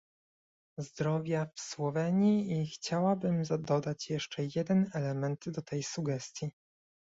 Zdrowia w Słowenii i chciałabym dodać jeszcze jeden element do tej sugestii